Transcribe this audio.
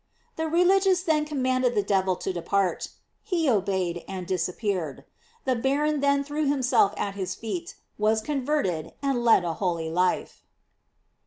The religious then commanded the devil to de part. He obeyed, and disappeared. The baron then threw himself at his feet, was converted, and led a holy life.